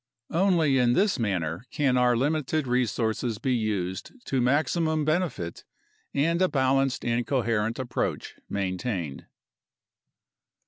Only in this manner can our limited resources be used to maximum benefit and a balanced and coherent approach maintained.